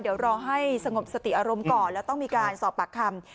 เดี๋ยวรอให้สงบสติอารมณ์ก่อนแล้วต้องมีการสอบปากคำ